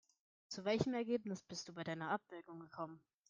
Zu welchem Ergebnis bist du bei deiner Abwägung gekommen?